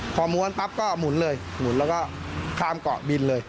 พอม้วนปั๊บโกรพก็หมุนหมุนแล้วก็ค่ามเกาะบินเลย